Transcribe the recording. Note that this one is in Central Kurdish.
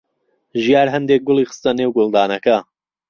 ژیار هەندێک گوڵی خستە نێو گوڵدانەکە.